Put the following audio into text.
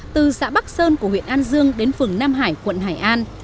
từ xã bắc sơn của huyện an dương đến phường nam hải quận hải an